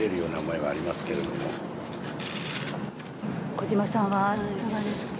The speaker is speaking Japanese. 小島さんはいかがですか？